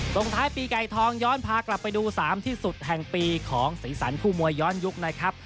ตรงท้ายปีไก่ทองย้อนพากลับไปดู๓ที่สุดแห่งปีของสีสันคู่มวยย้อนยุคนะครับ